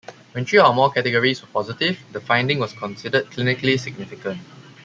When three or more categories were positive, the finding was considered clinically significant.